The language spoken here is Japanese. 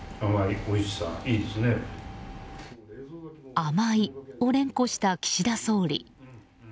甘いを連呼した岸田総理。